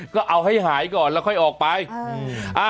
ก็เอาให้หายก่อนแล้วค่อยออกไป